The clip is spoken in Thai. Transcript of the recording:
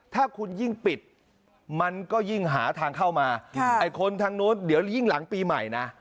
ถ้าคุณยิ่งปิดมันก็ยิ่งหาทางเข้ามาไอ้คนทางนู้นเดี๋ยวยิ่งหลังปีใหม่นะ